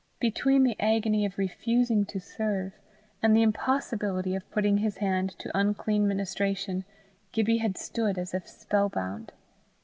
Between the agony of refusing to serve, and the impossibility of putting his hand to unclean ministration, Gibbie had stood as if spell bound.